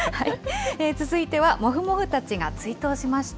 続いては、もふもふたちが追悼しました。